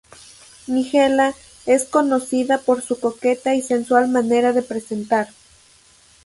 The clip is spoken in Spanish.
Nigella es conocida por su coqueta y sensual manera de presentar.